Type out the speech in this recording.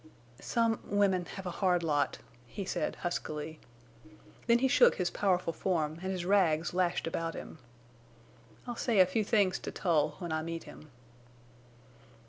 "Some—women—have a hard lot," he said, huskily. Then he shook his powerful form, and his rags lashed about him. "I'll say a few things to Tull—when I meet him."